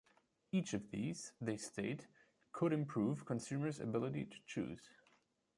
Each of these, they state, could improve consumers' ability to choose.